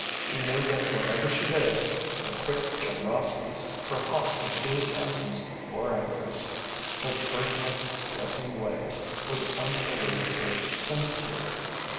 He knew that whatever she did her quick generosities, her hot enthusiasms or angers, her birdlike caressing ways was unbelievably sincere.